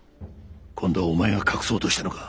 今度はお前が隠そうとしたのか。